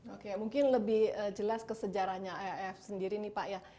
oke mungkin lebih jelas kesejarannya iif sendiri nih pak